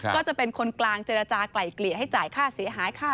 ก็จะเป็นคนกลางเจรจากลายเกลี่ยให้จ่ายค่าเสียหายค่า